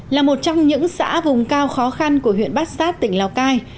là một trong những xã vùng cao khó khăn của huyện bát sát tỉnh lào cai